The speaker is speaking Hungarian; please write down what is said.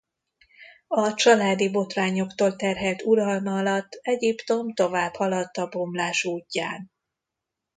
A családi botrányoktól terhelt uralma alatt Egyiptom tovább haladt a bomlás útján.